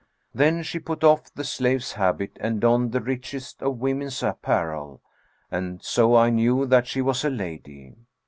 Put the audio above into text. Then she put off the slave's habit and donned the richest of women's apparel; and so I knew that she was a lady.